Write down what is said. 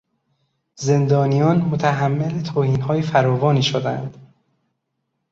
زندانیان متحمل توهینهای فراوانی شدند.